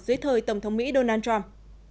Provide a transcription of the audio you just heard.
hiệp ước quốc phòng mỹ donald trump